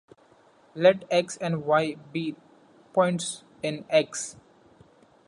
Let "x" and "y" be points in "X".